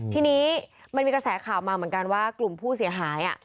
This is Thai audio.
ทีนี้มันมีกระแสข่าวมาเหมือนกันว่ากลุ่มผู้เสียหาย